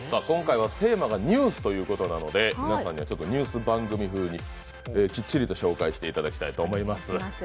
今回はテーマはニュースということなのでニュース番組風にきっちりと紹介していただきたいと思います。